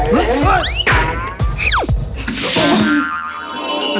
น้องไซฟนจ้า